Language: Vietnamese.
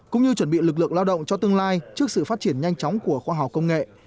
cũng như chuẩn bị lực lượng lao động cho tương lai trước sự phát triển nhanh chóng của khoa học công nghệ